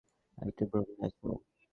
একটা ভ্রমণে আছো।